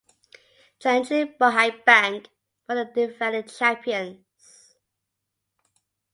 Tianjin Bohai Bank were the defending champions.